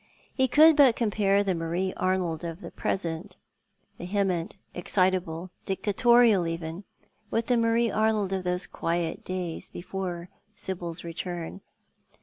He could but compare the IVlarie Arnold of the present — vehement, excitable, dictatorial even — with tlie Marie Arnold of those quiet days before Sibil's return.